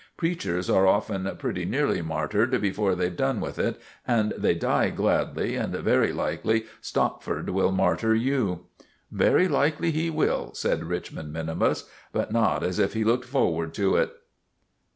Preachers are often pretty nearly martyred before they've done with it; and they die gladly; and very likely Stopford will martyr you." "Very likely he will," said Richmond minimus; but not as if he looked forward to it.